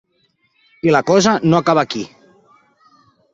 I la cosa no acaba aquí.